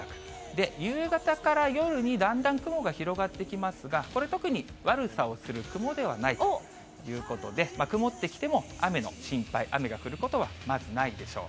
で、夕方から夜にだんだん雲が広がってきますが、これ、特に悪さをする雲ではないということで、曇ってきても雨の心配、雨が降ることはまずないでしょう。